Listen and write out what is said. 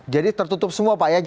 jadi tertutup semua pak ya